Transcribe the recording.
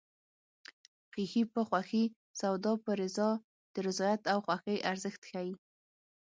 خیښي په خوښي سودا په رضا د رضایت او خوښۍ ارزښت ښيي